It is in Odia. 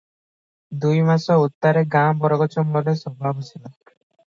ଦୁଇମାସ ଉତ୍ତାରେ ଗାଁ ବରଗଛ ମୂଳରେ ସଭା ବସିଲା ।